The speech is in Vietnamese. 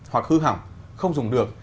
hoặc hư hỏng không dùng được